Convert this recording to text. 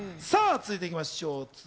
続いていていきましょう。